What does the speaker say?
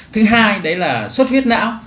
thứ hai đấy là xuất huyết não